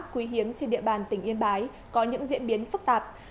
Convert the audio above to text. quý hiếm trên địa bàn tỉnh yên bái có những diễn biến phức tạp